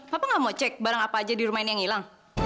bapak nggak mau cek barang apa aja di rumah ini yang hilang